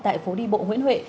tại phố đi bộ huyện huệ